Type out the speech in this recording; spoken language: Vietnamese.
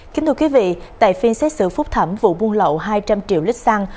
kính thưa quý vị tại phiên xét xử phúc thẩm vụ buôn lậu hai trăm linh triệu lít xăng